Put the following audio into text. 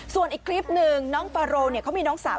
ส่วนอีกคลิปหนึ่งน้องปาโรเขามีน้องสาว